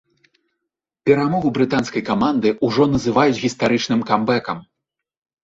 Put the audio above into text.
Перамогу брытанскай каманды ўжо называюць гістарычным камбэкам.